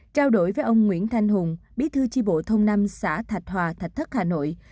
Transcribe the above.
trao đổi với ông nguyễn thanh hùng bí thư chi bộ thôn năm xã thạch hòa thạch thất hà nội